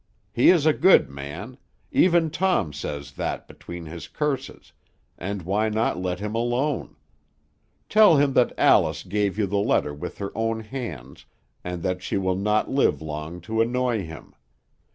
He is a good man; even Tom says that between his curses, and why not let him alone? Tell him that Alice gave you the letter with her own hands, and that she will not live long to annoy him.